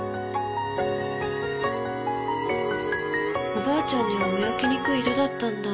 おばあちゃんには見分けにくい色だったんだ。